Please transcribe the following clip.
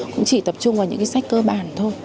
cũng chỉ tập trung vào những cái sách cơ bản thôi